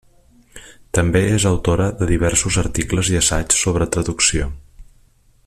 També és autora de diversos articles i assaigs sobre traducció.